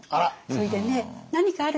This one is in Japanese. それでね何かあるとね